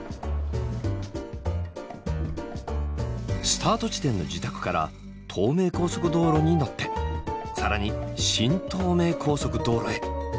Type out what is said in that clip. スタート地点の自宅から東名高速道路に乗って更に新東名高速道路へ。